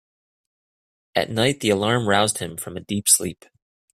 At night the alarm roused him from a deep sleep.